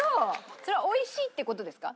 それは美味しいって事ですか？